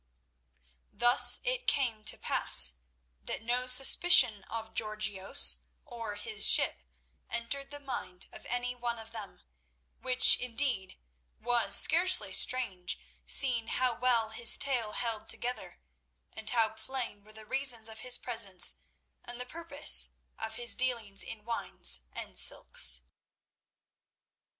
Thus it came to pass that no suspicion of Georgios or his ship entered the mind of any one of them, which, indeed, was scarcely strange, seeing how well his tale held together, and how plain were the reasons of his presence and the purpose of his dealings in wines and silks.